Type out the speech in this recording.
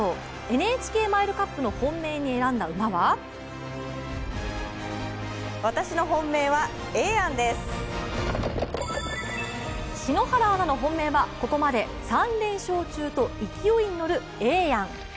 ＮＨＫマイルカップの本命に選んだ馬は篠原アナの本命はここまで３連勝中と勢いに乗るエエヤン。